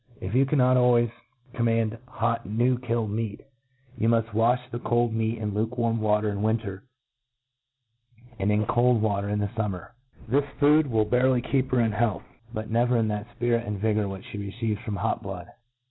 If you cannot always com mand hot new killed meat, you muft walh the ' cold meat in luke warm water in winter, and in cold water in fummer. This food will barely keep her in health, but never in that fpirit and vigour which Ihe receives from hot blood.